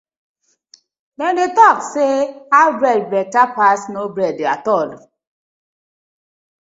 Dem dey tok say haf bread betta pass no bread atol.